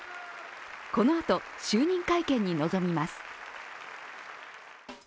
このあと、就任会見に臨みます。